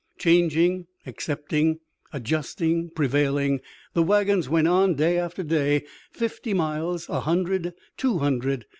Changing, accepting, adjusting, prevailing, the wagons went on, day after day, fifty miles, a hundred, two hundred.